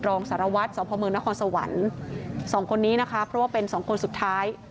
รองสารวัตรสพมนครสวรรค์สองคนนี้นะคะเพราะว่าเป็นสองคนสุดท้าย